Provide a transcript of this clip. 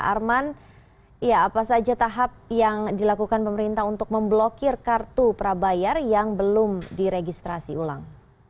arman apa saja tahap yang dilakukan pemerintah untuk memblokir kartu prabayar yang belum diregistrasi ulang